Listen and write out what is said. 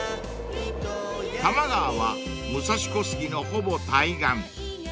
［多摩川は武蔵小杉のほぼ対岸］